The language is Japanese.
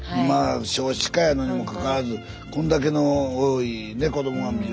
今少子化やのにもかかわらずこんだけの多いね子どもが。